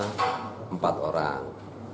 kemudian kita menempatkan tim kawal kita empat orang